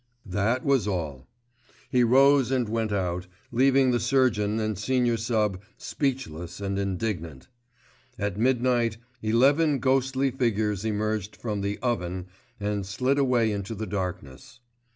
That was all. He rose and went out, leaving the surgeon and senior sub. speechless and indignant. At midnight eleven ghostly figures emerged from the "Oven" and slid away into the darkness.